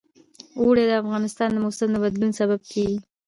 اوړي د افغانستان د موسم د بدلون سبب کېږي.